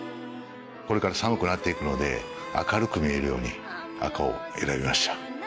これから寒くなって行くので明るく見えるように赤を選びました。